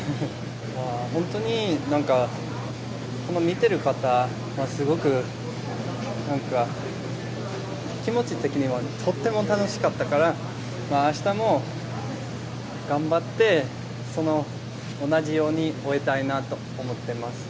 本当に見ている方がすごく気持ち的にはとても楽しかったから明日も頑張って同じように終えたいなと思っています。